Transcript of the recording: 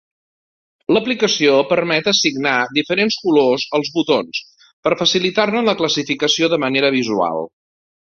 L'aplicació permet assignar diferents colors als botons per facilitar-ne la classificació de manera visual.